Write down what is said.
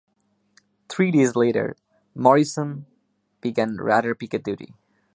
Three days later "Morrison" began radar picket duty.